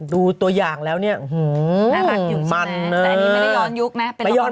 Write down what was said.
ตัวอย่างแล้วเนี่ยน่ารักอยู่มันแต่อันนี้ไม่ได้ย้อนยุคนะ